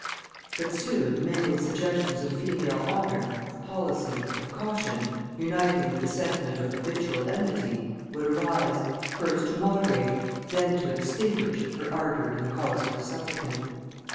But soon the mingled suggestions of female honor, of policy, of caution, uniting with the sentiment of habitual enmity, would arise, first to moderate, then to extinguish, her ardor in the cause of her supplicant.